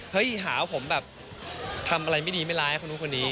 เฮ้ยหาผมแบบทำอะไรไม่ดีไม่ร้ายคนคนนี้